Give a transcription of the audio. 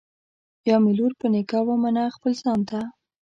یا مي لور په نکاح ومنه خپل ځان ته